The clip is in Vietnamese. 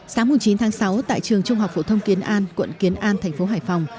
sáng chín tháng sáu tại trường trung học phổ thông kiến an quận kiến an thành phố hải phòng